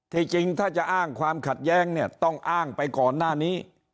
จริงถ้าจะอ้างความขัดแย้งเนี่ยต้องอ้างไปก่อนหน้านี้